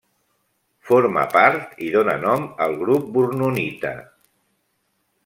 Forma part i dóna nom al grup bournonita.